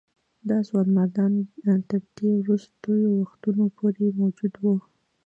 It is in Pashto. دا ځوانمردان تر دې وروستیو وختونو پورې موجود وه.